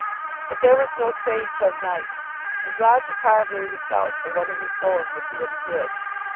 But there was no train till night, and Roger Carbury was doubtful whether his going would do any good.